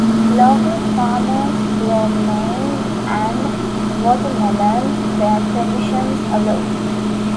Local farmers grow maize and watermelons where conditions allow.